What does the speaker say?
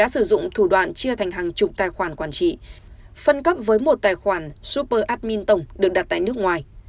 cũng thủ đoạn chia thành hàng chục tài khoản quản trị phân cấp với một tài khoản super admin tổng được đặt tại nước ngoài